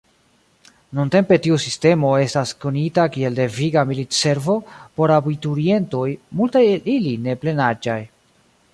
Nuntempe tiu sistemo estas konita kiel deviga militservo por abiturientoj, multaj el ili neplenaĝaj.